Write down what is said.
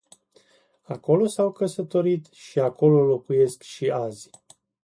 Acolo s-au căsătorit și acolo locuiesc și azi.